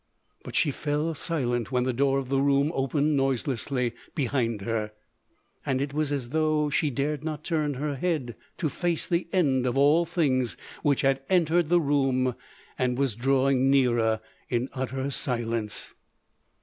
But she fell silent when the door of the room opened noiselessly behind her;—and it was as though she dared not turn her head to face the end of all things which had entered the room and was drawing nearer in utter silence.